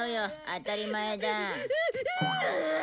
当たり前だ。